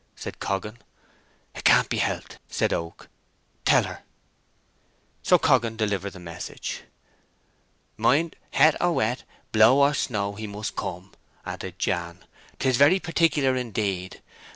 said Coggan. "It can't be helped," said Oak. "Tell her." So Coggan delivered the message. "Mind, het or wet, blow or snow, he must come," added Jan. "'Tis very particular, indeed.